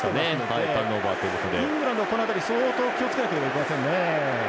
イングランド、この辺りを相当気をつけないといけませんね。